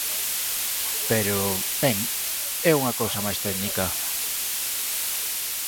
Pero, ben, é unha cousa máis técnica.